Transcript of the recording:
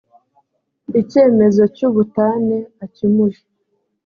icyemezo cy ubutane akimuhe